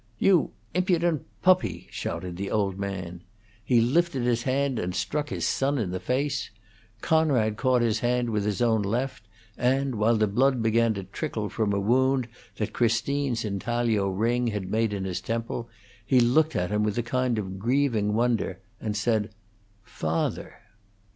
"You impudent puppy!" shouted the old man. He lifted his hand and struck his son in the face. Conrad caught his hand with his own left, and, while the blood began to trickle from a wound that Christine's intaglio ring had made in his temple, he looked at him with a kind of grieving wonder, and said, "Father!"